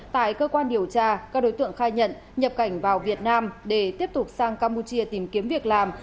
tại cơ quan điều tra các đối tượng khai nhận nhập cảnh vào việt nam để tiếp tục sang campuchia tìm kiếm việc làm